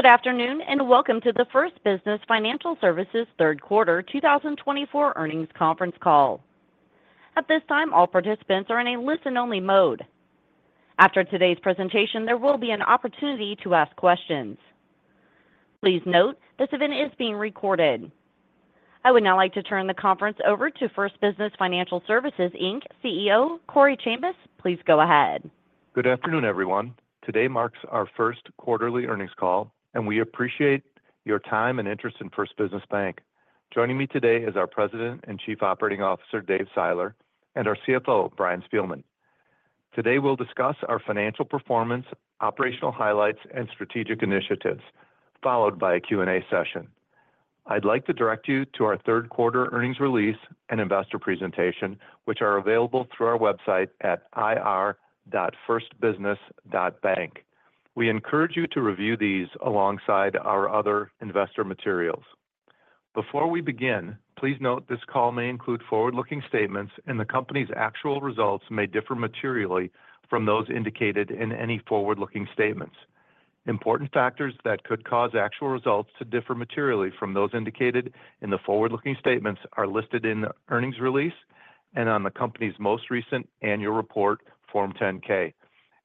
Good afternoon, and welcome to the First Business Financial Services third quarter 2024 earnings conference call. At this time, all participants are in a listen-only mode. After today's presentation, there will be an opportunity to ask questions. Please note, this event is being recorded. I would now like to turn the conference over to First Business Financial Services Inc. CEO, Corey Chambas. Please go ahead. Good afternoon, everyone. Today marks our first quarterly earnings call, and we appreciate your time and interest in First Business Bank. Joining me today is our President and Chief Operating Officer, Dave Seiler, and our CFO, Brian Spielmann. Today, we'll discuss our financial performance, operational highlights, and strategic initiatives, followed by a Q&A session. I'd like to direct you to our third quarter earnings release and investor presentation, which are available through our website at ir.firstbusiness.bank. We encourage you to review these alongside our other investor materials. Before we begin, please note this call may include forward-looking statements, and the company's actual results may differ materially from those indicated in any forward-looking statements. Important factors that could cause actual results to differ materially from those indicated in the forward-looking statements are listed in the earnings release and on the company's most recent annual report, Form 10-K,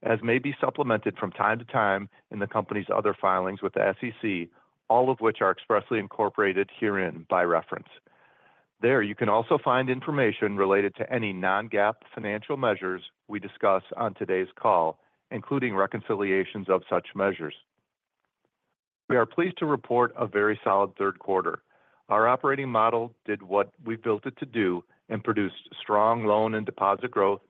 as may be supplemented from time to time in the company's other filings with the SEC, all of which are expressly incorporated herein by reference. There, you can also find information related to any non-GAAP financial measures we discuss on today's call, including reconciliations of such measures. We are pleased to report a very solid third quarter. Our operating model did what we built it to do and produced strong loan and deposit growth,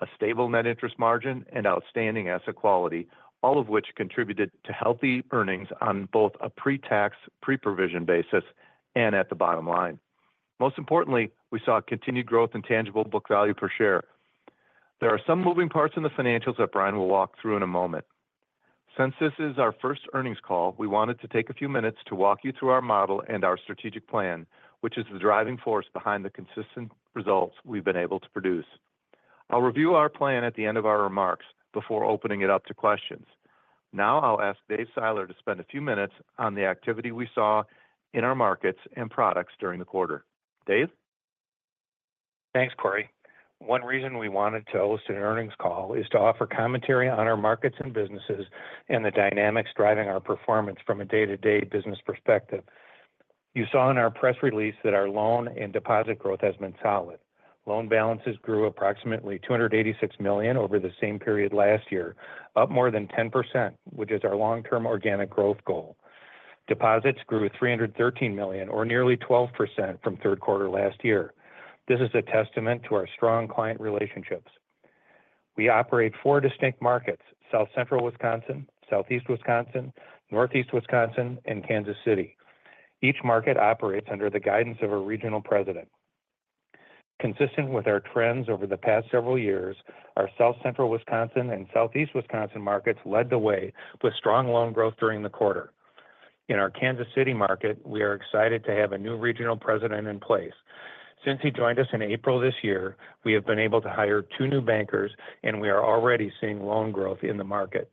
a stable net interest margin, and outstanding asset quality, all of which contributed to healthy earnings on both a pre-tax, pre-provision basis and at the bottom line. Most importantly, we saw a continued growth in tangible book value per share. There are some moving parts in the financials that Brian will walk through in a moment. Since this is our first earnings call, we wanted to take a few minutes to walk you through our model and our strategic plan, which is the driving force behind the consistent results we've been able to produce. I'll review our plan at the end of our remarks before opening it up to questions. Now, I'll ask Dave Seiler to spend a few minutes on the activity we saw in our markets and products during the quarter. Dave? Thanks, Corey. One reason we wanted to host an earnings call is to offer commentary on our markets and businesses and the dynamics driving our performance from a day-to-day business perspective. You saw in our press release that our loan and deposit growth has been solid. Loan balances grew approximately $286 million over the same period last year, up more than 10%, which is our long-term organic growth goal. Deposits grew $313 million, or nearly 12% from third quarter last year. This is a testament to our strong client relationships. We operate four distinct markets: South Central Wisconsin, Southeast Wisconsin, Northeast Wisconsin, and Kansas City. Each market operates under the guidance of a regional president. Consistent with our trends over the past several years, our South central Wisconsin and Southeast Wisconsin markets led the way with strong loan growth during the quarter. In our Kansas City market, we are excited to have a new regional president in place. Since he joined us in April this year, we have been able to hire two new bankers, and we are already seeing loan growth in the market.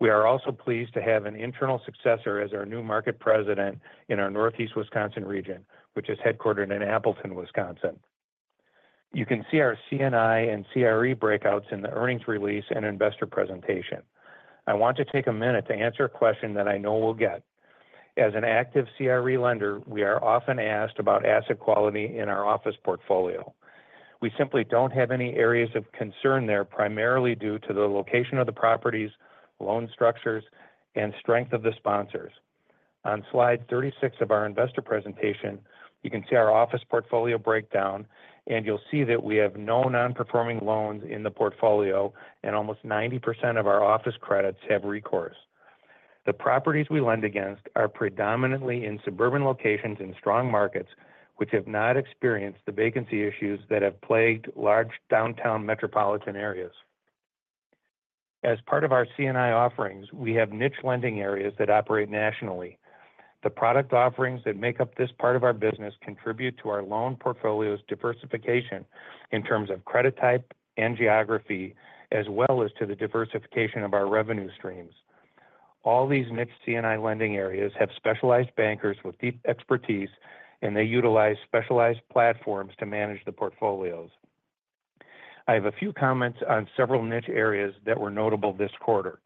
We are also pleased to have an internal successor as our new market president in our Northeast Wisconsin region, which is headquartered in Appleton, Wisconsin. You can see our C&I and CRE breakouts in the earnings release and investor presentation. I want to take a minute to answer a question that I know we'll get. As an active CRE lender, we are often asked about asset quality in our office portfolio. We simply don't have any areas of concern there, primarily due to the location of the properties, loan structures, and strength of the sponsors. On slide 36 of our investor presentation, you can see our office portfolio breakdown, and you'll see that we have no non-performing loans in the portfolio, and almost 90% of our office credits have recourse. The properties we lend against are predominantly in suburban locations in strong markets, which have not experienced the vacancy issues that have plagued large downtown metropolitan areas. As part of our C&I offerings, we have niche lending areas that operate nationally. The product offerings that make up this part of our business contribute to our loan portfolio's diversification in terms of credit type and geography, as well as to the diversification of our revenue streams. All these niche C&I lending areas have specialized bankers with deep expertise, and they utilize specialized platforms to manage the portfolios. I have a few comments on several niche areas that were notable this quarter.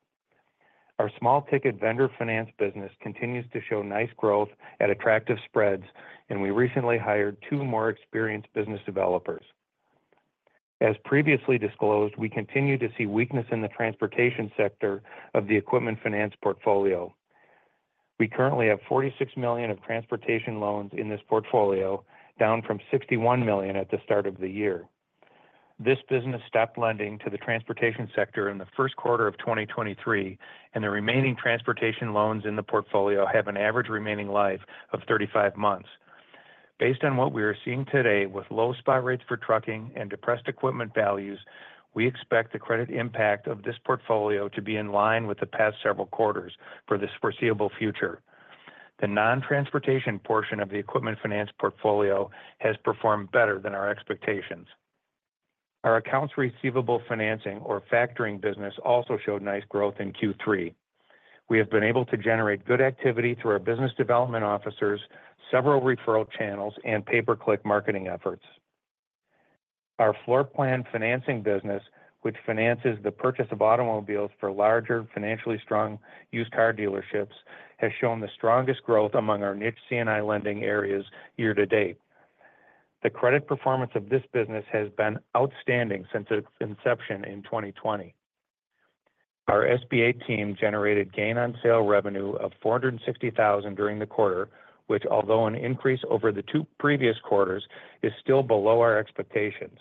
Our small-ticket vendor finance business continues to show nice growth at attractive spreads, and we recently hired two more experienced business developers. As previously disclosed, we continue to see weakness in the transportation sector of the equipment finance portfolio. We currently have $46 million of transportation loans in this portfolio, down from $61 million at the start of the year. This business stopped lending to the transportation sector in the first quarter of 2023, and the remaining transportation loans in the portfolio have an average remaining life of 35 months. Based on what we are seeing today, with low spot rates for trucking and depressed equipment values, we expect the credit impact of this portfolio to be in line with the past several quarters for the foreseeable future. The non-transportation portion of the equipment finance portfolio has performed better than our expectations. Our accounts receivable financing or factoring business also showed nice growth in Q3. We have been able to generate good activity through our business development officers, several referral channels, and pay-per-click marketing efforts. Our floor plan financing business, which finances the purchase of automobiles for larger, financially strong used car dealerships, has shown the strongest growth among our niche C&I lending areas year to date. The credit performance of this business has been outstanding since its inception in 2020. Our SBA team generated gain on sale revenue of $460,000 during the quarter, which although an increase over the two previous quarters, is still below our expectations.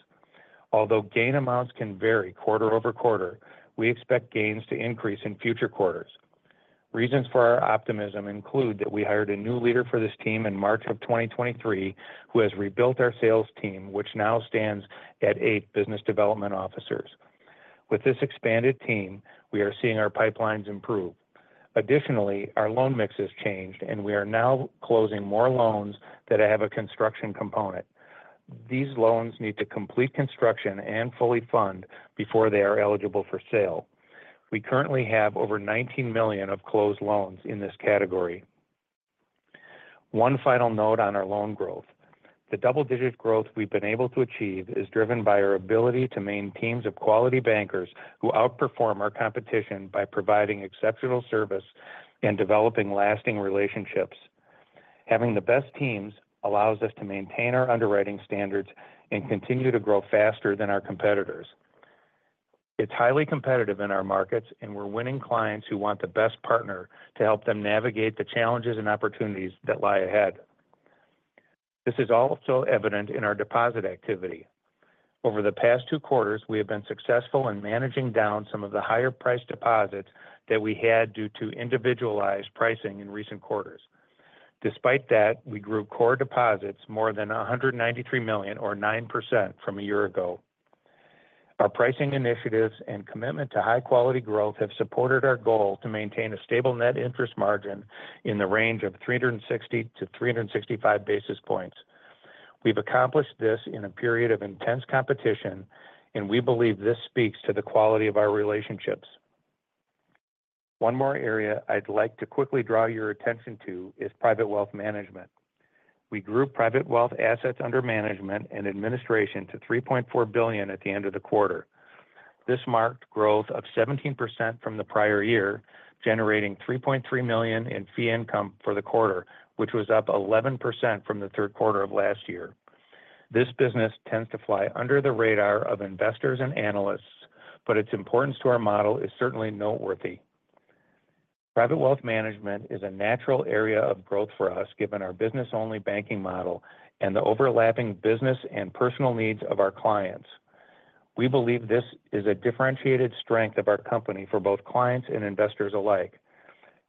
Although gain amounts can vary quarter-over-quarter, we expect gains to increase in future quarters. Reasons for our optimism include that we hired a new leader for this team in March of 2023, who has rebuilt our sales team, which now stands at eight business development officers. With this expanded team, we are seeing our pipelines improve. Additionally, our loan mix has changed, and we are now closing more loans that have a construction component. These loans need to complete construction and fully fund before they are eligible for sale. We currently have over $19 million of closed loans in this category. One final note on our loan growth. The double-digit growth we've been able to achieve is driven by our ability to maintain teams of quality bankers who outperform our competition by providing exceptional service and developing lasting relationships. Having the best teams allows us to maintain our underwriting standards and continue to grow faster than our competitors. It's highly competitive in our markets, and we're winning clients who want the best partner to help them navigate the challenges and opportunities that lie ahead. This is also evident in our deposit activity. Over the past two quarters, we have been successful in managing down some of the higher-priced deposits that we had due to individualized pricing in recent quarters. Despite that, we grew core deposits more than $193 million, or 9% from a year ago. Our pricing initiatives and commitment to high quality growth have supported our goal to maintain a stable net interest margin in the range of 360-365 basis points. We've accomplished this in a period of intense competition, and we believe this speaks to the quality of our relationships. One more area I'd like to quickly draw your attention to is Private Wealth Management. We grew private wealth assets under management and administration to $3.4 billion at the end of the quarter. This marked growth of 17% from the prior year, generating $3.3 million in fee income for the quarter, which was up 11% from the third quarter of last year. This business tends to fly under the radar of investors and analysts, but its importance to our model is certainly noteworthy. Private Wealth Management is a natural area of growth for us, given our business-only banking model and the overlapping business and personal needs of our clients. We believe this is a differentiated strength of our company for both clients and investors alike.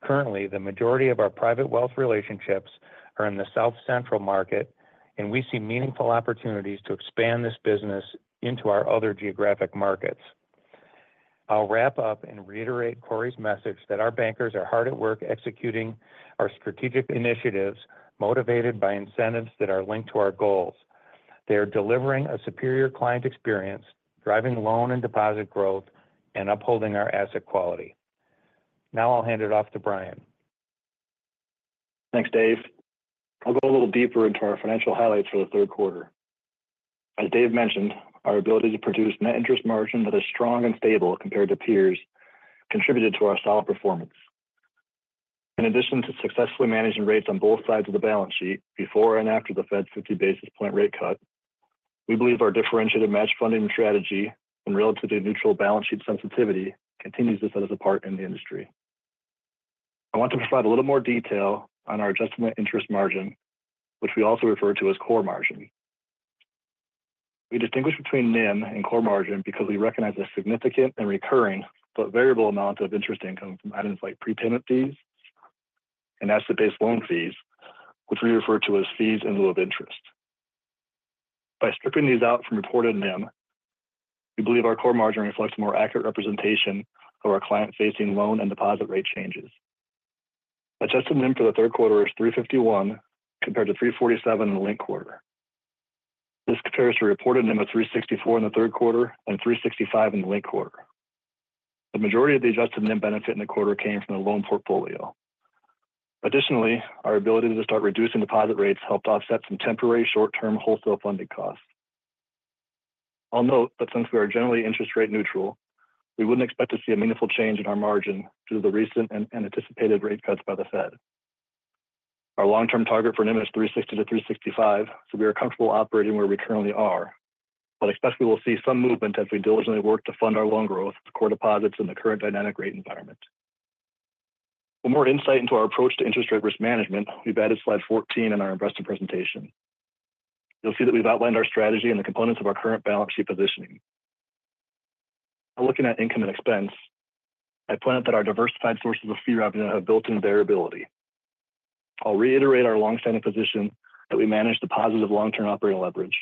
Currently, the majority of our private wealth relationships are in the South Central market, and we see meaningful opportunities to expand this business into our other geographic markets. I'll wrap up and reiterate Corey's message that our bankers are hard at work executing our strategic initiatives, motivated by incentives that are linked to our goals. They are delivering a superior client experience, driving loan and deposit growth, and upholding our asset quality. Now I'll hand it off to Brian. Thanks, Dave. I'll go a little deeper into our financial highlights for the third quarter. As Dave mentioned, our ability to produce net interest margin that is strong and stable compared to peers contributed to our solid performance. In addition to successfully managing rates on both sides of the balance sheet before and after the Fed's fifty basis point rate cut, we believe our differentiated match funding strategy and relatively neutral balance sheet sensitivity continues to set us apart in the industry. I want to provide a little more detail on our adjusted net interest margin, which we also refer to as core margin. We distinguish between NIM and core margin because we recognize a significant and recurring, but variable amount of interest income from items like prepayment fees and asset-based loan fees, which we refer to as fees in lieu of interest. By stripping these out from reported NIM, we believe our core margin reflects a more accurate representation of our client-facing loan and deposit rate changes. Adjusted NIM for the third quarter is 3.51%, compared to 3.47% in the linked quarter. This compares to a reported NIM of 3.64% in the third quarter and 3.65% in the linked quarter. The majority of the adjusted NIM benefit in the quarter came from the loan portfolio. Additionally, our ability to start reducing deposit rates helped offset some temporary short-term wholesale funding costs. I'll note that since we are generally interest rate neutral, we wouldn't expect to see a meaningful change in our margin due to the recent and anticipated rate cuts by the Fed. Our long-term target for NIM is 3.60%-3.65%, so we are comfortable operating where we currently are. But especially, we'll see some movement as we diligently work to fund our loan growth, core deposits in the current dynamic rate environment. For more insight into our approach to interest rate risk management, we've added slide fourteen in our investor presentation. You'll see that we've outlined our strategy and the components of our current balance sheet positioning. Looking at income and expense, I point out that our diversified sources of fee revenue have built-in variability. I'll reiterate our long-standing position that we manage the positive long-term operating leverage,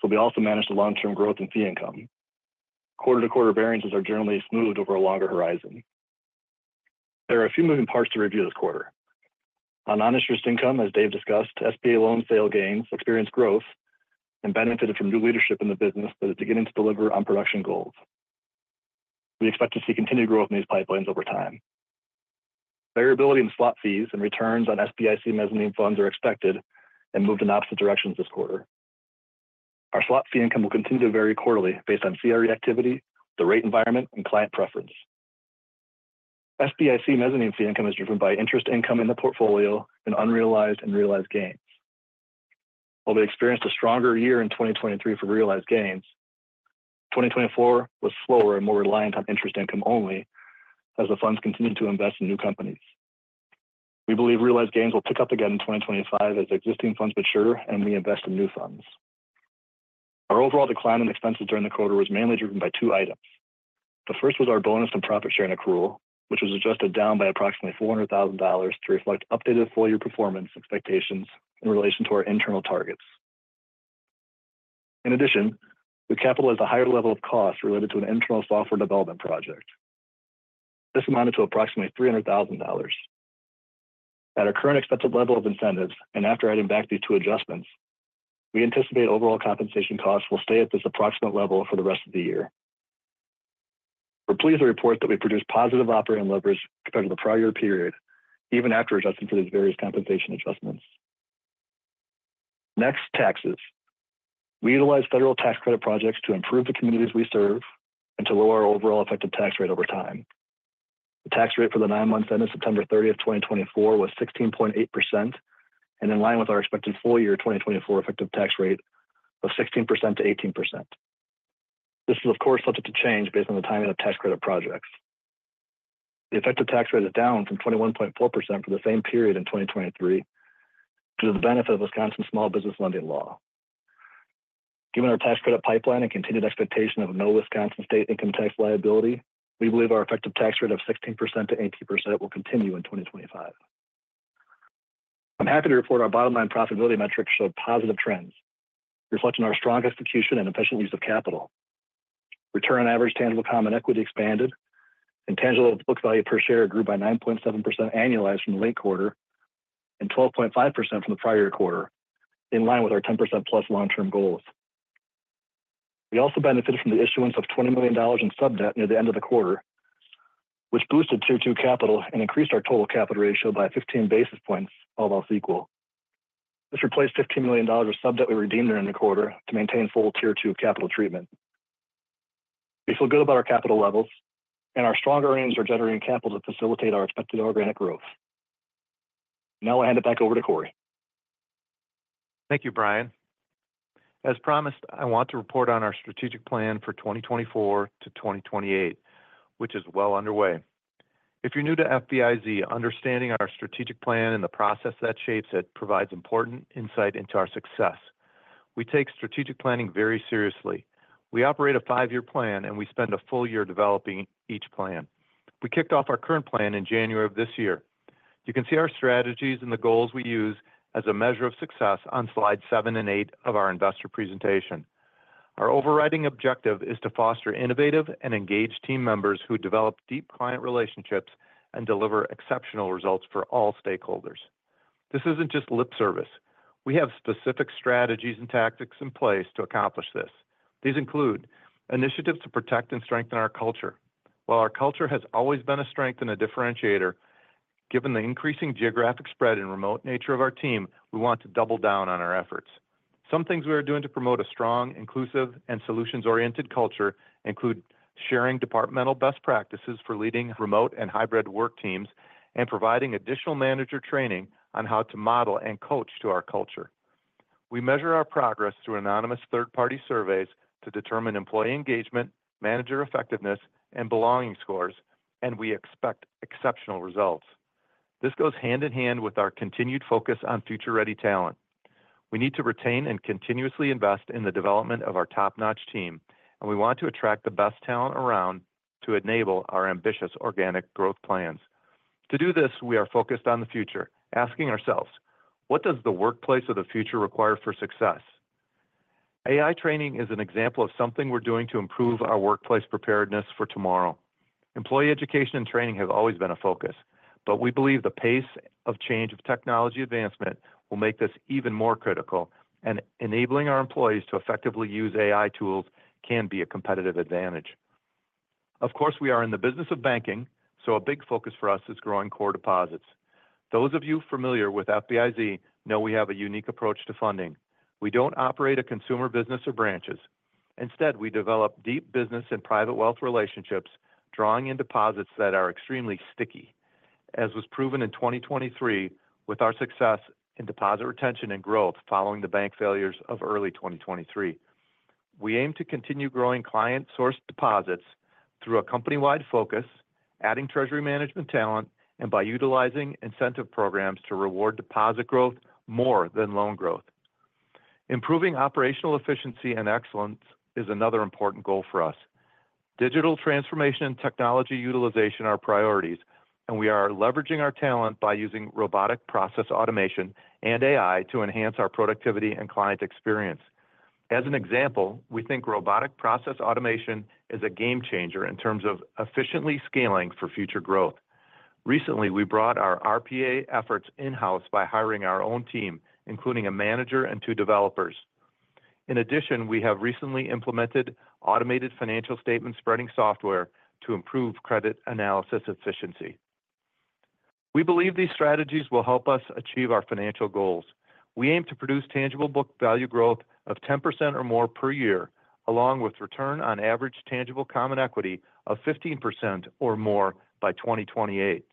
so we also manage the long-term growth in fee income. Quarter-to-quarter variances are generally smoothed over a longer horizon... There are a few moving parts to review this quarter. On non-interest income, as Dave discussed, SBA loan sale gains experienced growth and benefited from new leadership in the business that is beginning to deliver on production goals. We expect to see continued growth in these pipelines over time. Variability in slot fees and returns on SBIC mezzanine funds are expected and moved in opposite directions this quarter. Our slot fee income will continue to vary quarterly based on CRE activity, the rate environment, and client preference. SBIC mezzanine fee income is driven by interest income in the portfolio and unrealized and realized gains. While they experienced a stronger year in 2023 for realized gains, 2024 was slower and more reliant on interest income only as the funds continued to invest in new companies. We believe realized gains will pick up again in 2025 as existing funds mature and we invest in new funds. Our overall decline in expenses during the quarter was mainly driven by two items. The first was our bonus and profit sharing accrual, which was adjusted down by approximately $400,000 to reflect updated full-year performance expectations in relation to our internal targets. In addition, we capitalized a higher level of costs related to an internal software development project. This amounted to approximately $300,000. At our current expected level of incentives and after adding back these two adjustments, we anticipate overall compensation costs will stay at this approximate level for the rest of the year. We're pleased to report that we produced positive operating leverage compared to the prior period, even after adjusting for these various compensation adjustments. Next, taxes. We utilize federal tax credit projects to improve the communities we serve and to lower our overall effective tax rate over time. The tax rate for the nine months ended September 30, 2024, was 16.8% and in line with our expected full year 2024 effective tax rate of 16%-18%. This is, of course, subject to change based on the timing of tax credit projects. The effective tax rate is down from 21.4% for the same period in 2023, due to the benefit of Wisconsin small business lending law. Given our tax credit pipeline and continued expectation of no Wisconsin state income tax liability, we believe our effective tax rate of 16%-18% will continue in 2025. I'm happy to report our bottom-line profitability metrics showed positive trends, reflecting our strong execution and efficient use of capital. Return on average tangible common equity expanded, and tangible book value per share grew by 9.7% annualized from the linked quarter and 12.5% from the prior quarter, in line with our 10% plus long-term goals. We also benefited from the issuance of $20 million in sub debt near the end of the quarter, which boosted Tier 2 capital and increased our total capital ratio by 15 basis points, all else equal. This replaced $15 million of sub debt we redeemed during the quarter to maintain full Tier 2 capital treatment. We feel good about our capital levels, and our strong earnings are generating capital to facilitate our expected organic growth. Now I'll hand it back over to Corey. Thank you, Brian. As promised, I want to report on our strategic plan for 2024 to 2028, which is well underway. If you're new to FBIZ, understanding our strategic plan and the process that shapes it provides important insight into our success. We take strategic planning very seriously. We operate a five-year plan, and we spend a full year developing each plan. We kicked off our current plan in January of this year. You can see our strategies and the goals we use as a measure of success on slides seven and eight of our investor presentation. Our overriding objective is to foster innovative and engaged team members who develop deep client relationships and deliver exceptional results for all stakeholders. This isn't just lip service. We have specific strategies and tactics in place to accomplish this. These include initiatives to protect and strengthen our culture. While our culture has always been a strength and a differentiator, given the increasing geographic spread and remote nature of our team, we want to double down on our efforts. Some things we are doing to promote a strong, inclusive, and solutions-oriented culture include sharing departmental best practices for leading remote and hybrid work teams, and providing additional manager training on how to model and coach to our culture. We measure our progress through anonymous third-party surveys to determine employee engagement, manager effectiveness, and belonging scores, and we expect exceptional results. This goes hand in hand with our continued focus on future-ready talent. We need to retain and continuously invest in the development of our top-notch team, and we want to attract the best talent around to enable our ambitious organic growth plans. To do this, we are focused on the future, asking ourselves, "What does the workplace of the future require for success?" AI training is an example of something we're doing to improve our workplace preparedness for tomorrow. Employee education and training have always been a focus, but we believe the pace of change of technology advancement will make this even more critical, and enabling our employees to effectively use AI tools can be a competitive advantage. Of course, we are in the business of banking, so a big focus for us is growing core deposits. Those of you familiar with FBIZ know we have a unique approach to funding. We don't operate a consumer business or branches. Instead, we develop deep business and private wealth relationships, drawing in deposits that are extremely sticky, as was proven in 2023 with our success in deposit retention and growth following the bank failures of early 2023. We aim to continue growing client-sourced deposits through a company-wide focus, adding treasury management talent, and by utilizing incentive programs to reward deposit growth more than loan growth. Improving operational efficiency and excellence is another important goal for us. Digital transformation and technology utilization are priorities, and we are leveraging our talent by using robotic process automation and AI to enhance our productivity and client experience. As an example, we think robotic process automation is a game changer in terms of efficiently scaling for future growth. Recently, we brought our RPA efforts in-house by hiring our own team, including a manager and two developers. In addition, we have recently implemented automated financial statement spreading software to improve credit analysis efficiency. We believe these strategies will help us achieve our financial goals. We aim to produce tangible book value growth of 10% or more per year, along with return on average tangible common equity of 15% or more by 2028.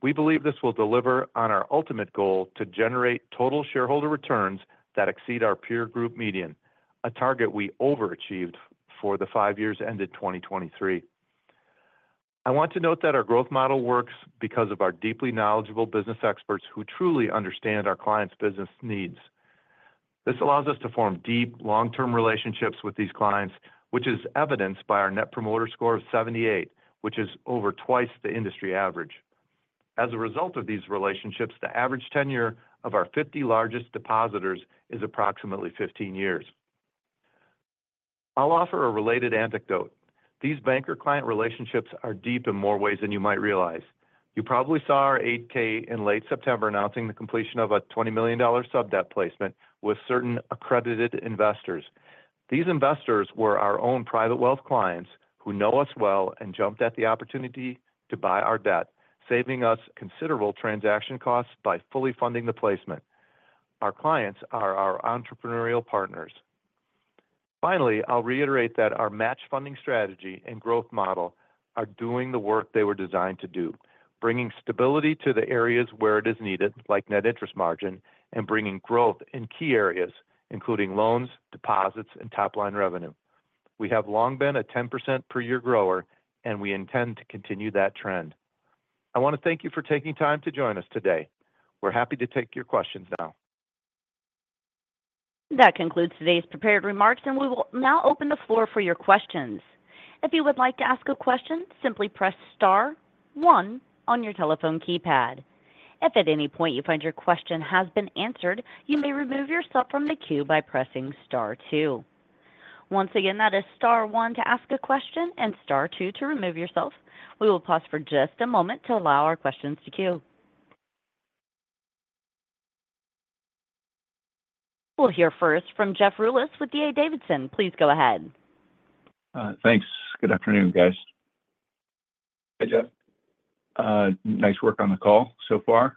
We believe this will deliver on our ultimate goal to generate total shareholder returns that exceed our peer group median, a target we overachieved for the five years ended 2023. I want to note that our growth model works because of our deeply knowledgeable business experts who truly understand our clients' business needs. This allows us to form deep, long-term relationships with these clients, which is evidenced by our Net Promoter Score of 78, which is over twice the industry average. As a result of these relationships, the average tenure of our 50 largest depositors is approximately 15 years. I'll offer a related anecdote. These banker-client relationships are deep in more ways than you might realize. You probably saw our 8-K in late September announcing the completion of a $20 million sub-debt placement with certain accredited investors. These investors were our own private wealth clients who know us well and jumped at the opportunity to buy our debt, saving us considerable transaction costs by fully funding the placement. Our clients are our entrepreneurial partners. Finally, I'll reiterate that our match funding strategy and growth model are doing the work they were designed to do: bringing stability to the areas where it is needed, like net interest margin, and bringing growth in key areas, including loans, deposits, and top-line revenue. We have long been a 10% per year grower, and we intend to continue that trend. I want to thank you for taking time to join us today. We're happy to take your questions now. That concludes today's prepared remarks, and we will now open the floor for your questions. If you would like to ask a question, simply press star one on your telephone keypad. If at any point you find your question has been answered, you may remove yourself from the queue by pressing star two. Once again, that is star one to ask a question and star two to remove yourself. We will pause for just a moment to allow our questions to queue. We'll hear first from Jeff Rulis with D.A. Davidson. Please go ahead. Thanks. Good afternoon, guys. Hey, Jeff. Nice work on the call so far.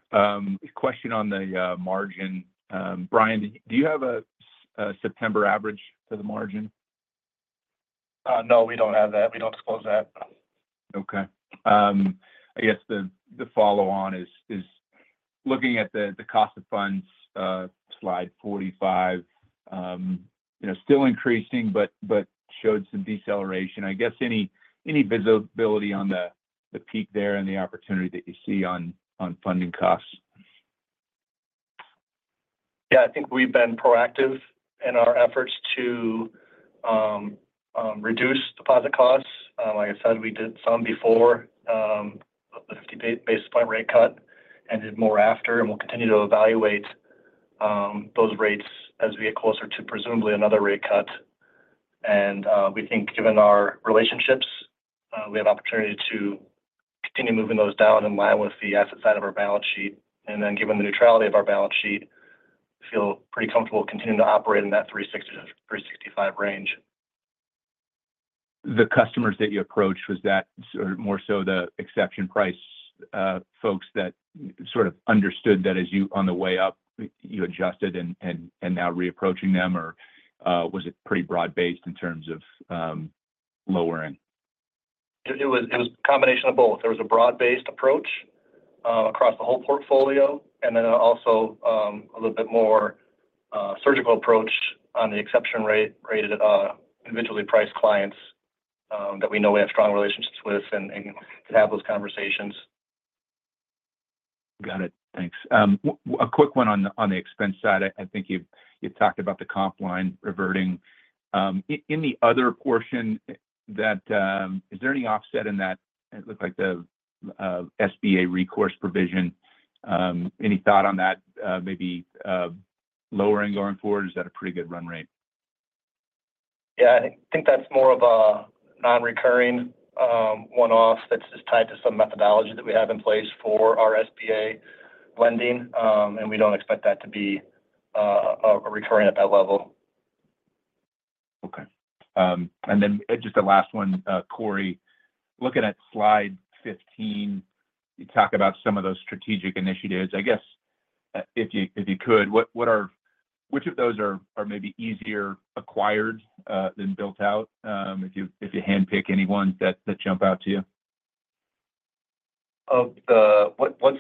Question on the margin. Brian, do you have a September average for the margin? No, we don't have that. We don't disclose that. Okay. I guess the follow on is looking at the cost of funds, slide 45, you know, still increasing, but showed some deceleration. I guess any visibility on the peak there and the opportunity that you see on funding costs? Yeah, I think we've been proactive in our efforts to reduce deposit costs. Like I said, we did some before the 50 basis point rate cut and did more after, and we'll continue to evaluate those rates as we get closer to presumably another rate cut. And we think given our relationships, we have opportunity to continue moving those down in line with the asset side of our balance sheet. And then, given the neutrality of our balance sheet, feel pretty comfortable continuing to operate in that 360-365 range. The customers that you approached, was that sort of more so the exception price, folks that sort of understood that as you on the way up, you adjusted and now reapproaching them? Or, was it pretty broad-based in terms of, lowering? It was a combination of both. There was a broad-based approach across the whole portfolio, and then also a little bit more surgical approach on the exception rate-rated individually priced clients that we know we have strong relationships with and could have those conversations. Got it. Thanks. A quick one on the, on the expense side. I think you've, you've talked about the comp line reverting. In the other portion that... Is there any offset in that? It looked like the, SBA recourse provision. Any thought on that, maybe, lowering going forward? Is that a pretty good run rate? Yeah, I think that's more of a non-recurring, one-off that's just tied to some methodology that we have in place for our SBA lending, and we don't expect that to be a recurring at that level. Okay. And then just the last one, Corey, looking at slide fifteen, you talk about some of those strategic initiatives. I guess, if you could, which of those are maybe easier acquired than built out? If you handpick any ones that jump out to you. What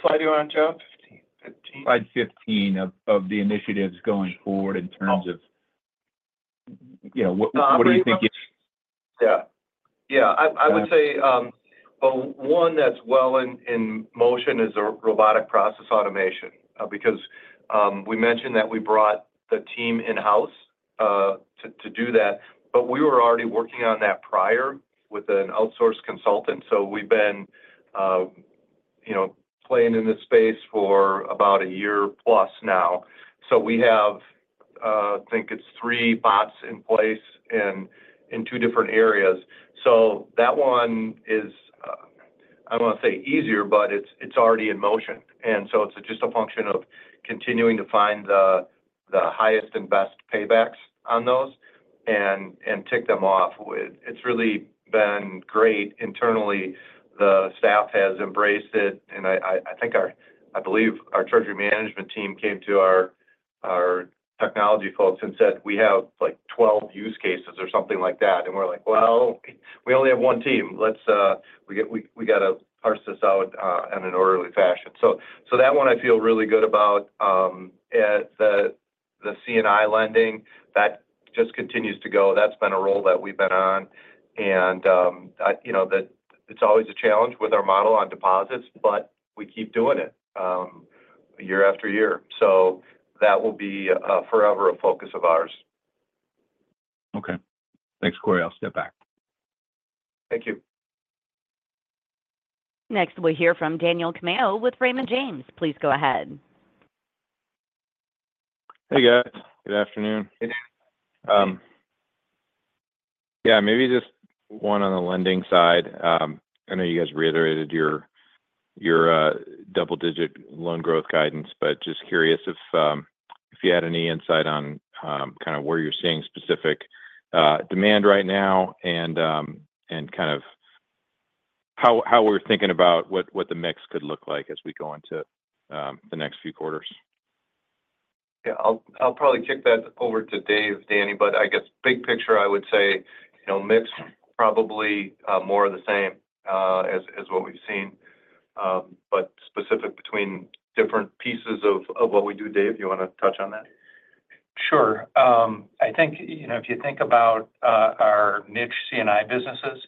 slide are you on, Jeff? Fifteen, fifteen. Slide 15 of the initiatives going forward in terms of- Oh. you know, what do you think it's- Yeah. Yeah, I would say well, one that's well in motion is robotic process automation. Because we mentioned that we brought the team in-house to do that, but we were already working on that prior with an outsourced consultant. So we've been, you know, playing in this space for about a year plus now. So we have, I think it's three bots in place in two different areas. So that one is, I don't want to say easier, but it's already in motion. And so it's just a function of continuing to find the highest and best paybacks on those and tick them off. It's really been great internally. The staff has embraced it, and I believe our treasury management team came to our technology folks and said, "We have, like, 12 use cases," or something like that. And we're like: Well, we only have one team. Let's we got to parse this out in an orderly fashion. So that one I feel really good about. At the C&I lending, that just continues to go. That's been a role that we've been on. And you know that it's always a challenge with our model on deposits, but we keep doing it year after year. So that will be forever a focus of ours. Okay. Thanks, Corey. I'll step back. Thank you. Next, we'll hear from Daniel Tamayo with Raymond James. Please go ahead. Hey, guys. Good afternoon. Hey. Yeah, maybe just one on the lending side. I know you guys reiterated your double-digit loan growth guidance, but just curious if you had any insight on kind of where you're seeing specific demand right now and kind of how we're thinking about what the mix could look like as we go into the next few quarters. Yeah, I'll probably kick that over to Dave, Danny, but I guess big picture, I would say, you know, mix probably more of the same as what we've seen, but specific between different pieces of what we do. Dave, you want to touch on that? Sure. I think, you know, if you think about our niche C&I businesses,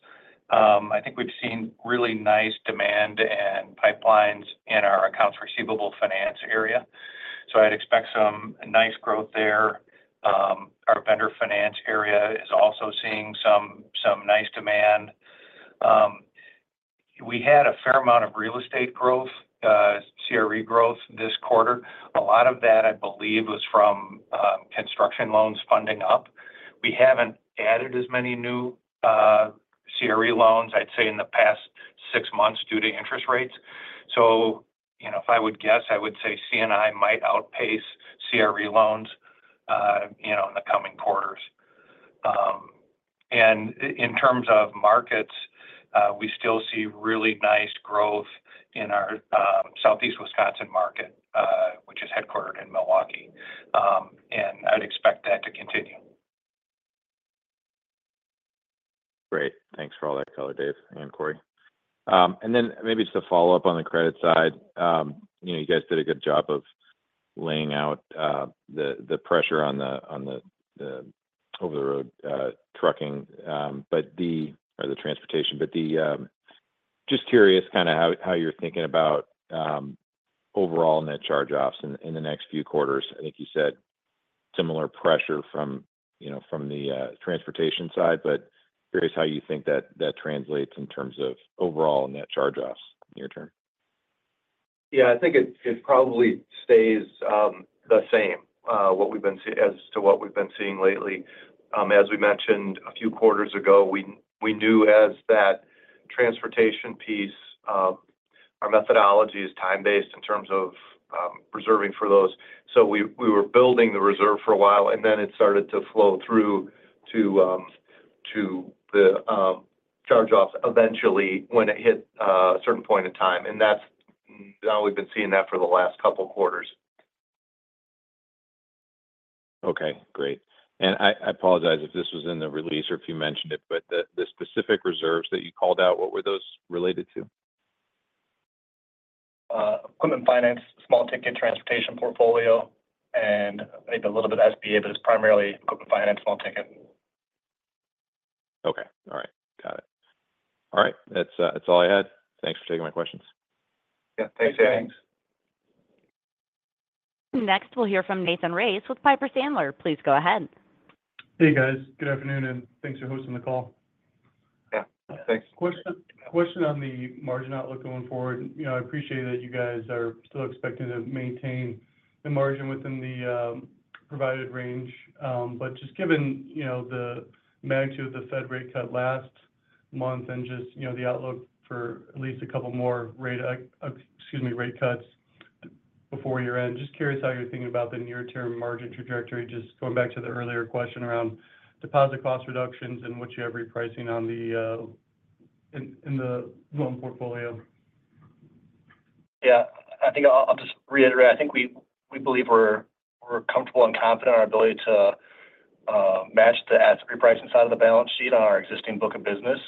I think we've seen really nice demand and pipelines in our accounts receivable finance area. So I'd expect some nice growth there. Our vendor finance area is also seeing some nice demand. We had a fair amount of real estate growth, CRE growth this quarter. A lot of that, I believe, was from construction loans funding up. We haven't added as many new CRE loans, I'd say, in the past six months due to interest rates. So, you know, if I would guess, I would say C&I might outpace CRE loans, you know, in the coming quarters, and in terms of markets, we still see really nice growth in our Southeast Wisconsin market, which is headquartered in Milwaukee. And I'd expect that to continue. Great. Thanks for all that color, Dave and Corey, and then maybe just a follow-up on the credit side. You know, you guys did a good job of laying out the pressure on the over-the-road trucking or the transportation. Just curious kind of how you're thinking about overall net charge-offs in the next few quarters. I think you said similar pressure from, you know, from the transportation side, but curious how you think that translates in terms of overall net charge-offs near term. Yeah, I think it probably stays the same as to what we've been seeing lately. As we mentioned a few quarters ago, we knew that transportation piece, our methodology is time-based in terms of provisioning for those. So we were building the reserve for a while, and then it started to flow through to the charge-offs eventually, when it hit a certain point in time, and that's now we've been seeing that for the last couple quarters. Okay, great. I apologize if this was in the release or if you mentioned it, but the specific reserves that you called out, what were those related to? Equipment finance, small ticket transportation portfolio, and maybe a little bit of SBA, but it's primarily equipment finance, small ticket. Okay. All right. Got it. All right. That's, that's all I had. Thanks for taking my questions. Yeah. Thanks, Dave. Thanks. Next, we'll hear from Nathan Race with Piper Sandler. Please go ahead. Hey, guys. Good afternoon, and thanks for hosting the call. Yeah, thanks. Question on the margin outlook going forward. You know, I appreciate that you guys are still expecting to maintain the margin within the provided range. But just given, you know, the magnitude of the Fed rate cut last month and just, you know, the outlook for at least a couple more rate, excuse me, rate cuts before year-end, just curious how you're thinking about the near-term margin trajectory. Just going back to the earlier question around deposit cost reductions and what you have repricing in the loan portfolio. Yeah. I think I'll just reiterate. I think we believe we're comfortable and confident in our ability to match the asset repricing side of the balance sheet on our existing book of business.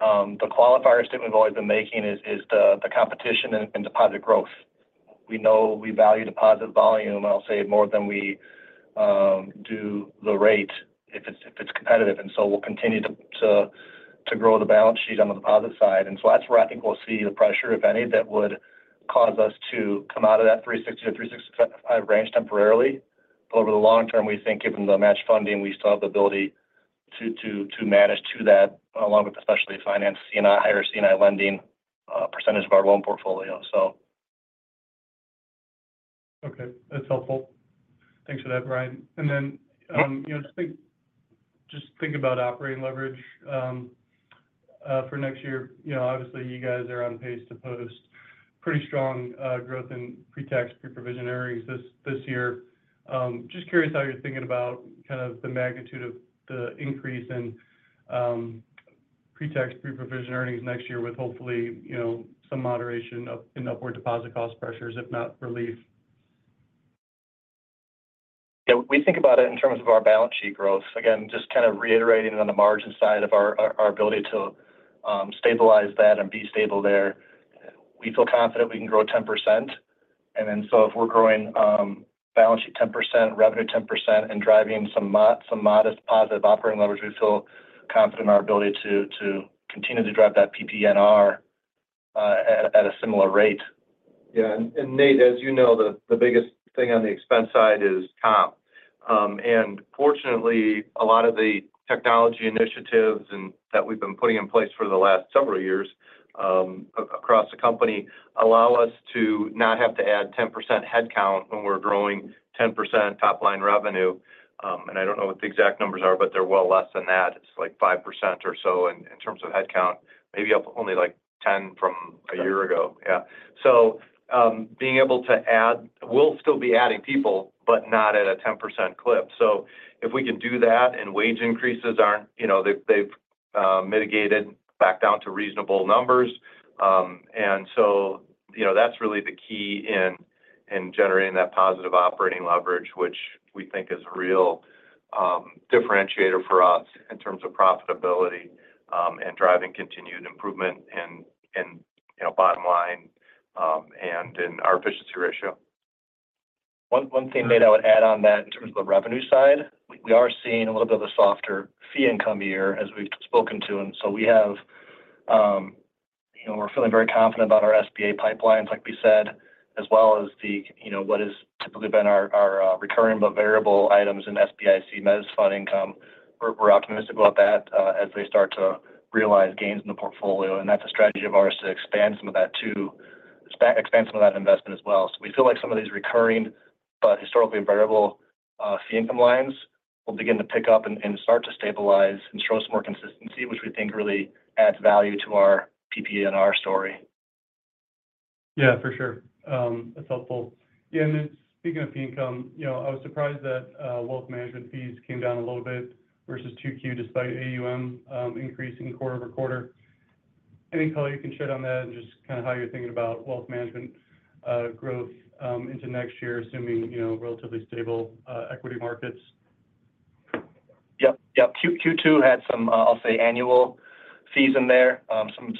The qualifier statement we've always been making is the competition and deposit growth. We know we value deposit volume, and I'll say it more than we do the rate if it's competitive, and so we'll continue to grow the balance sheet on the deposit side. And so that's where I think we'll see the pressure, if any, that would cause us to come out of that three sixty to three sixty-five range temporarily. But over the long term, we think given the matched funding, we still have the ability to-... to manage to that, along with especially finance C&I, higher C&I lending, percentage of our loan portfolio, so. Okay, that's helpful. Thanks for that, Brian. And then, you know, just think about operating leverage for next year. You know, obviously, you guys are on pace to post pretty strong growth in pre-tax, pre-provision earnings this year. Just curious how you're thinking about kind of the magnitude of the increase in pre-tax, pre-provision earnings next year with hopefully, you know, some moderation in upward deposit cost pressures, if not relief. Yeah, we think about it in terms of our balance sheet growth. Again, just kind of reiterating it on the margin side of our ability to stabilize that and be stable there. We feel confident we can grow 10%. And then, so if we're growing balance sheet 10%, revenue 10%, and driving some modest positive operating leverage, we feel confident in our ability to continue to drive that PPNR at a similar rate. Yeah, and Nate, as you know, the biggest thing on the expense side is comp. And fortunately, a lot of the technology initiatives and that we've been putting in place for the last several years across the company allow us to not have to add 10% headcount when we're growing 10% top-line revenue. And I don't know what the exact numbers are, but they're well less than that. It's like 5% or so in terms of headcount, maybe up only like 10 from a year ago. Yeah. So, being able to add we'll still be adding people, but not at a 10% clip. So if we can do that, and wage increases aren't... You know, they've mitigated back down to reasonable numbers. And so, you know, that's really the key in generating that positive operating leverage, which we think is a real differentiator for us in terms of profitability, and driving continued improvement in, you know, bottom line, and in our efficiency ratio. One thing, Nate, I would add on that in terms of the revenue side, we are seeing a little bit of a softer fee income year as we've spoken to. And so we have, you know, we're feeling very confident about our SBA pipelines, like we said, as well as the, you know, what has typically been our recurring but variable items in SBIC mezzanine fund income. We're optimistic about that, as they start to realize gains in the portfolio. And that's a strategy of ours to expand some of that, too, expand some of that investment as well. So we feel like some of these recurring but historically variable fee income lines will begin to pick up and start to stabilize and show some more consistency, which we think really adds value to our PPNR story. Yeah, for sure. That's helpful. Yeah, and then speaking of fee income, you know, I was surprised that wealth management fees came down a little bit versus 2Q, despite AUM increasing quarter-over-quarter. Any color you can shed on that and just kind of how you're thinking about wealth management growth into next year, assuming, you know, relatively stable equity markets? Yep. Yep. Q2 had some, I'll say, annual fees in there,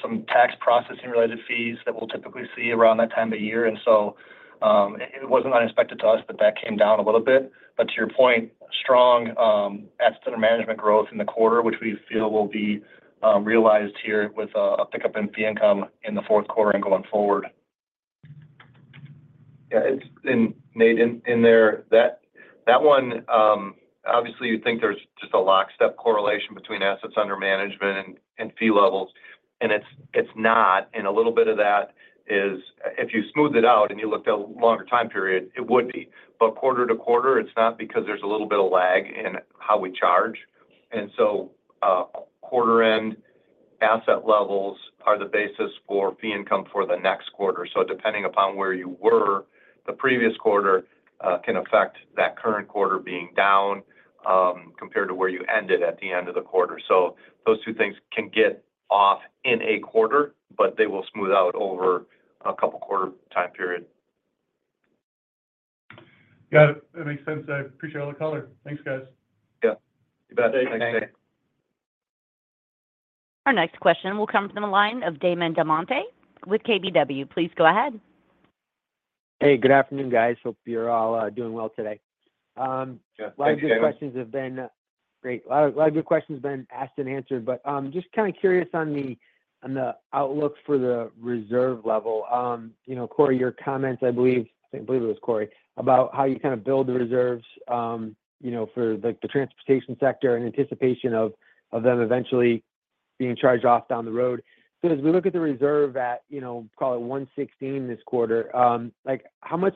some tax processing-related fees that we'll typically see around that time of year. And so, it wasn't unexpected to us, but that came down a little bit. But to your point, strong asset under management growth in the quarter, which we feel will be realized here with a pickup in fee income in the fourth quarter and going forward. Yeah, it's and Nate, in there, that one, obviously, you'd think there's just a lockstep correlation between assets under management and fee levels, and it's not. And a little bit of that is if you smoothed it out and you looked at a longer time period, it would be. But quarter to quarter, it's not because there's a little bit of lag in how we charge. And so, quarter-end asset levels are the basis for fee income for the next quarter. So depending upon where you were, the previous quarter, can affect that current quarter being down, compared to where you ended at the end of the quarter. So those two things can get off in a quarter, but they will smooth out over a couple quarter time period. Got it. That makes sense. I appreciate all the color. Thanks, guys. Yeah. You bet. Thanks, Nate. Our next question will come from the line of Damon DelMonte with KBW. Please go ahead. Hey, good afternoon, guys. Hope you're all doing well today. Yeah. Thanks, Damon. A lot of your questions have been great. A lot, a lot of your questions have been asked and answered, but just kind of curious on the outlook for the reserve level. You know, Corey, your comments, I believe it was Corey, about how you kind of build the reserves, you know, for, like, the transportation sector in anticipation of them eventually being charged off down the road. So as we look at the reserve at, you know, call it 116 this quarter, like, how much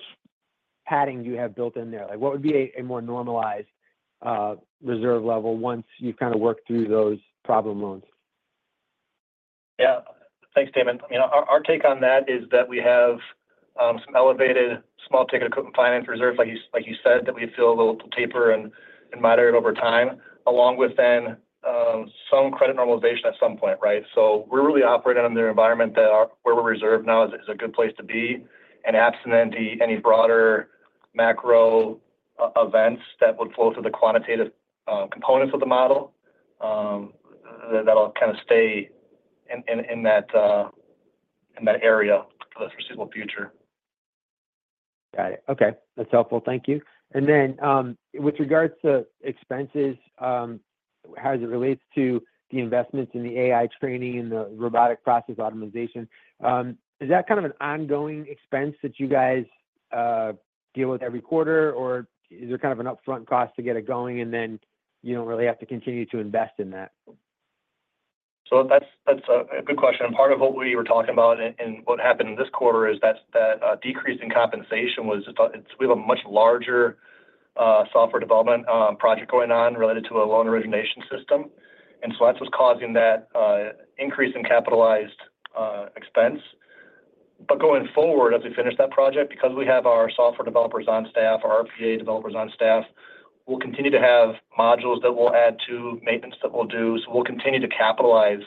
padding do you have built in there? Like, what would be a more normalized reserve level once you've kind of worked through those problem loans? Yeah. Thanks, Damon. You know, our take on that is that we have some elevated small ticket equipment finance reserves, like you said, that we feel a little taper and moderate over time, along with some credit normalization at some point, right? So we're really operating under the environment where we're reserved now is a good place to be, and absent any broader macro events that would flow through the quantitative components of the model, that'll kind of stay in that area for the foreseeable future. Got it. Okay. That's helpful. Thank you. And then, with regards to expenses, as it relates to the investments in the AI training and the robotic process automation, is that kind of an ongoing expense that you guys deal with every quarter, or is there kind of an upfront cost to get it going, and then you don't really have to continue to invest in that? ...So that's a good question, and part of what we were talking about and what happened in this quarter is that the decrease in compensation was about. It's we have a much larger software development project going on related to a loan origination system. And so that's what's causing that increase in capitalized expense. But going forward, as we finish that project, because we have our software developers on staff, our RPA developers on staff, we'll continue to have modules that we'll add to, maintenance that we'll do. So we'll continue to capitalize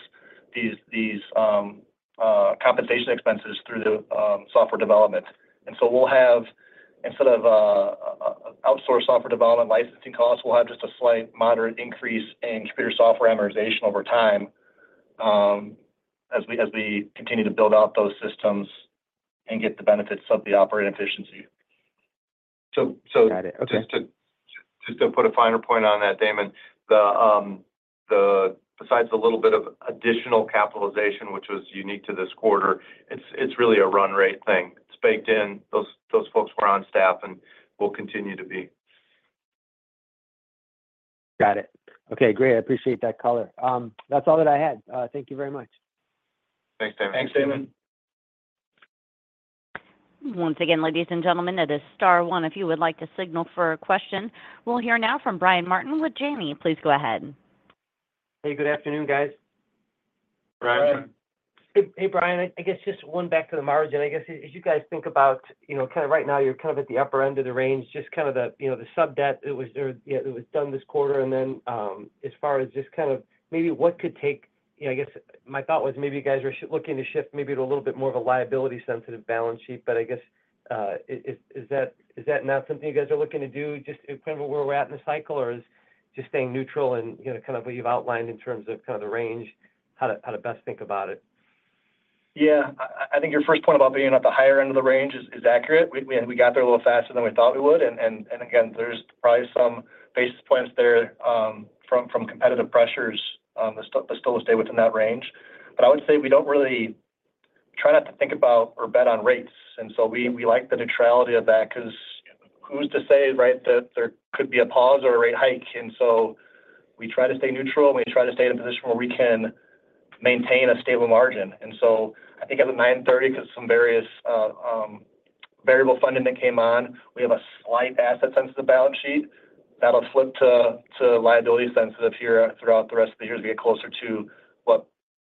these compensation expenses through the software development. And so we'll have, instead of outsourced software development licensing costs, we'll have just a slight moderate increase in computer software amortization over time, as we continue to build out those systems and get the benefits of the operating efficiency. So, so- Got it. Okay. Just to, just to put a finer point on that, Damon, besides the little bit of additional capitalization, which was unique to this quarter, it's, it's really a run rate thing. It's baked in. Those, those folks were on staff and will continue to be. Got it. Okay, great. I appreciate that color. That's all that I had. Thank you very much. Thanks, Damon. Thanks, Damon. Once again, ladies and gentlemen, it is star one if you would like to signal for a question. We'll hear now from Brian Martin with Janney. Please go ahead. Hey, good afternoon, guys. Brian. Brian. Hey, hey, Brian. I guess just one back to the margin. I guess as you guys think about, you know, kind of right now, you're kind of at the upper end of the range, just kind of the, you know, the sub-debt, it was done this quarter. And then, as far as just kind of maybe what could take-- You know, I guess my thought was maybe you guys are looking to shift maybe to a little bit more of a liability-sensitive balance sheet. But I guess, is that not something you guys are looking to do, just kind of where we're at in the cycle? Or is just staying neutral and, you know, kind of what you've outlined in terms of kind of the range, how to best think about it? Yeah. I think your first point about being at the higher end of the range is accurate. And we got there a little faster than we thought we would. And again, there's probably some basis points there from competitive pressures, but still stay within that range. But I would say we don't really try not to think about or bet on rates, and so we like the neutrality of that because who's to say, right, that there could be a pause or a rate hike? And so we try to stay neutral, and we try to stay in a position where we can maintain a stable margin. I think at the nine thirty, because some various variable funding that came on, we have a slight asset sensitive to the balance sheet that'll flip to liability sensitive here throughout the rest of the year as we get closer to what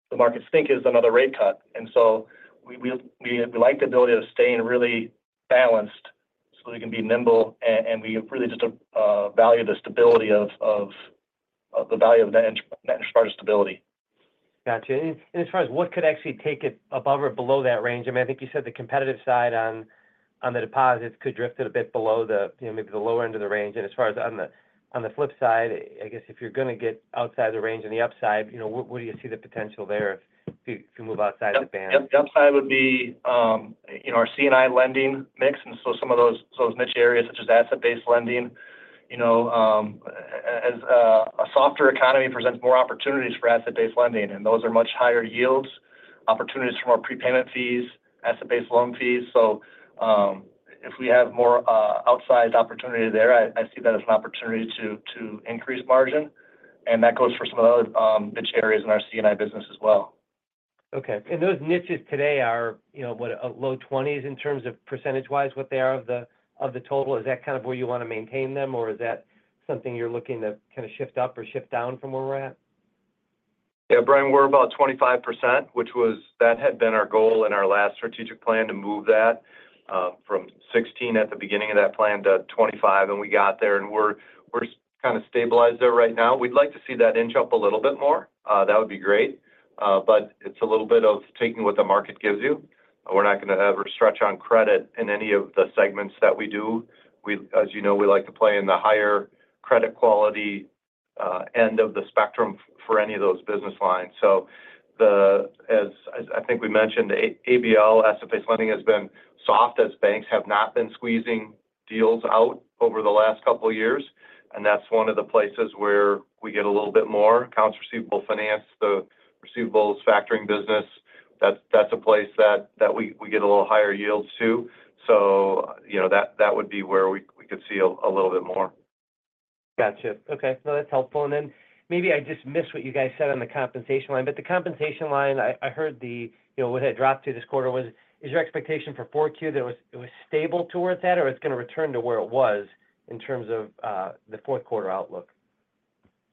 the markets think is another rate cut. We like the ability to stay really balanced so we can be nimble, and we really just value the stability of the value of that as far as stability. Got you. And as far as what could actually take it above or below that range, I mean, I think you said the competitive side on the deposits could drift it a bit below the, you know, maybe the lower end of the range. And as far as on the flip side, I guess if you're going to get outside the range on the upside, you know, what, where do you see the potential there if to move outside the band? The upside would be, you know, our C&I lending mix, and so some of those niche areas, such as asset-based lending. You know, as a softer economy presents more opportunities for asset-based lending, and those are much higher yields, opportunities for more prepayment fees, asset-based loan fees. So, if we have more outsized opportunity there, I see that as an opportunity to increase margin, and that goes for some of the other niche areas in our C&I business as well. Okay. And those niches today are, you know, what? Low 20s% in terms of percentage-wise, what they are of the, of the total. Is that kind of where you want to maintain them, or is that something you're looking to kind of shift up or shift down from where we're at? Yeah, Brian, we're about 25%, which was that had been our goal in our last strategic plan to move that from 16% at the beginning of that plan to 25%, and we got there. And we're kind of stabilized there right now. We'd like to see that inch up a little bit more. That would be great, but it's a little bit of taking what the market gives you. We're not going to ever stretch on credit in any of the segments that we do. As you know, we like to play in the higher credit quality end of the spectrum for any of those business lines. So as I think we mentioned, ABL asset-based lending has been soft as banks have not been squeezing deals out over the last couple of years, and that's one of the places where we get a little bit more accounts receivable finance. The receivables factoring business, that's a place that we get a little higher yields, too. You know, that would be where we could see a little bit more. Gotcha. Okay, no, that's helpful. And then maybe I just missed what you guys said on the compensation line, but the compensation line, I heard the, you know, what had dropped to this quarter was. Is your expectation for 4Q that it was stable towards that, or it's going to return to where it was in terms of the fourth quarter outlook?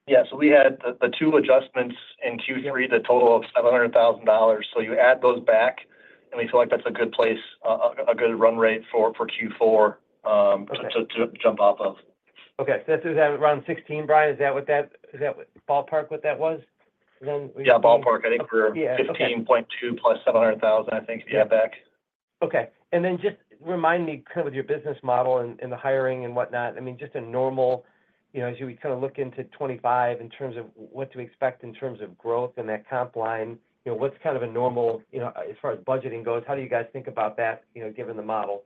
Yeah, so we had the two adjustments in Q3 that total of $700,000. So you add those back, and we feel like that's a good place, a good run rate for Q4. Okay... to jump off of. Okay, so is that around 16, Brian? Is that ballpark what that was then? Yeah, ballpark. Yeah. Okay. I think we're 15.2 plus 700,000, I think, to add back. Okay. And then just remind me kind of your business model and the hiring and whatnot. I mean, just a normal, you know, as you kind of look into 2025 in terms of what to expect in terms of growth and that comp line, you know, what's kind of a normal, you know, as far as budgeting goes, how do you guys think about that, you know, given the model?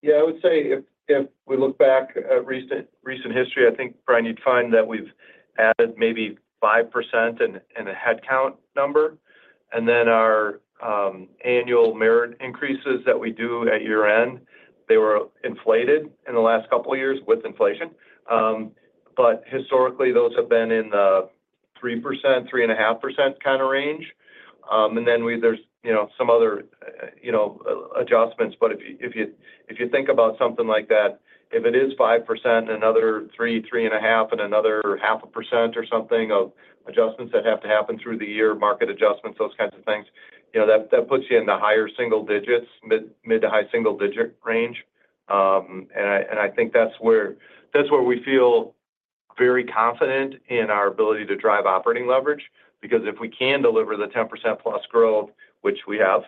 Yeah, I would say if we look back at recent history, I think, Brian, you'd find that we've added maybe 5% in a headcount number. And then our annual merit increases that we do at year-end, they were inflated in the last couple of years with inflation. But historically, those have been in the 3%, 3.5% kinda range. And then there's, you know, some other, you know, adjustments. But if you think about something like that, if it is 5% and another 3, 3.5, and another 0.5% or something of adjustments that have to happen through the year, market adjustments, those kinds of things, you know, that puts you in the higher single digits, mid to high single-digit range. and I think that's where we feel very confident in our ability to drive operating leverage. Because if we can deliver the 10% plus growth, which we have,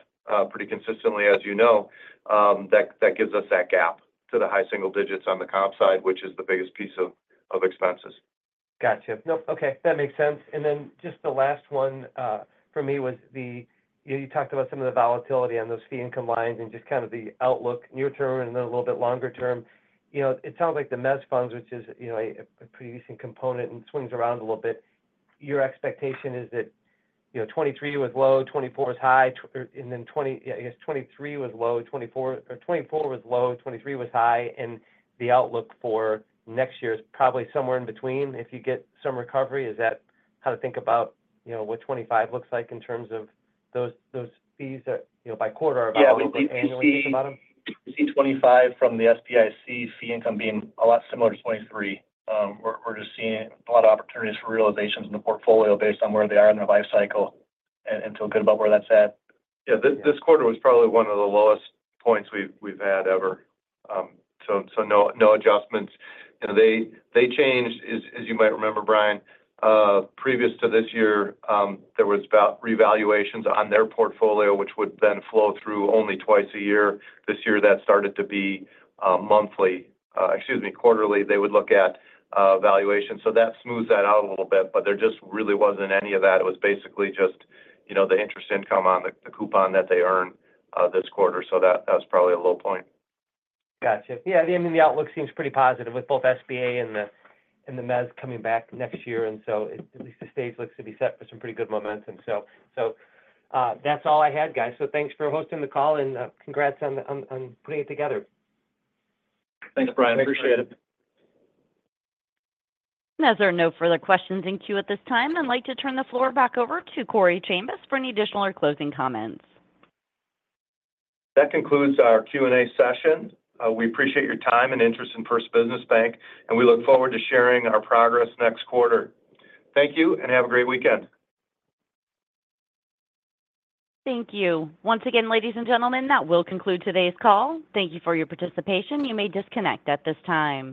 pretty consistently, as you know, that gives us that gap to the high single digits on the comp side, which is the biggest piece of expenses. Gotcha. Nope. Okay, that makes sense. And then just the last one for me was the... You talked about some of the volatility on those fee income lines and just kind of the outlook near term and then a little bit longer term. You know, it sounds like the Mezz funds, which is, you know, a pretty recent component and swings around a little bit. Your expectation is that, you know, 2023 was low, 2024 was high, and then 2020... Yeah, I guess 2023 was low, 2024 was low, 2023 was high, and the outlook for next year is probably somewhere in between if you get some recovery. Is that how to think about, you know, what 2025 looks like in terms of those fees that, you know, by quarter, or about annually, some of them? Yeah, we see 2025 from the SBIC fee income being a lot similar to 2023. We're just seeing a lot of opportunities for realizations in the portfolio based on where they are in their life cycle and so good about where that's at. Yeah, this quarter was probably one of the lowest points we've had ever. So, no adjustments. You know, they changed, as you might remember, Brian, previous to this year, there was about revaluations on their portfolio, which would then flow through only twice a year. This year, that started to be, monthly-- excuse me, quarterly, they would look at, valuation. So that smoothed that out a little bit, but there just really wasn't any of that. It was basically just, you know, the interest income on the, the coupon that they earned, this quarter. So that, that was probably a low point. Gotcha. Yeah, I mean, the outlook seems pretty positive with both SBA and the, and the MEZ coming back next year, and so at least the stage looks to be set for some pretty good momentum. So, that's all I had, guys. So thanks for hosting the call, and congrats on putting it together. Thanks, Brian. Appreciate it. As there are no further questions in queue at this time, I'd like to turn the floor back over to Corey Chambas for any additional or closing comments. That concludes our Q&A session. We appreciate your time and interest in First Business Bank, and we look forward to sharing our progress next quarter. Thank you, and have a great weekend. Thank you. Once again, ladies and gentlemen, that will conclude today's call. Thank you for your participation. You may disconnect at this time.